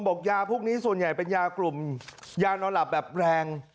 บอกยาพวกนี้ส่วนใหญ่เป็นยากลุ่มยานอนหลับแบบแรง